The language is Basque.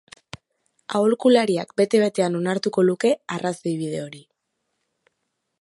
Aholkulariak bete-betean onartuko luke arrazoibide hori.